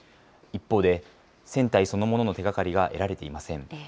一方で、船体そのものの手がかりが得られていません。